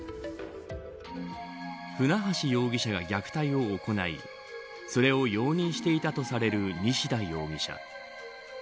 船橋容疑者が虐待を行いそれを容認していたとされる西田容疑者。